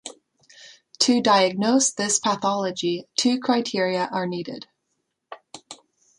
To diagnose this pathology, two criteria are needed.